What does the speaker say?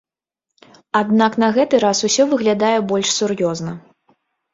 Аднак на гэты раз усё выглядае больш сур'ёзна.